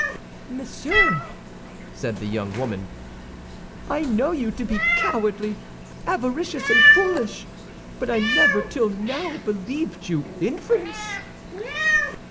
"Monsieur," said the young woman, "I know you to be cowardly, avaricious, and foolish, but I never till now believed you infamous!"